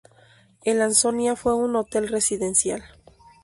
El Ansonia fue un hotel residencial.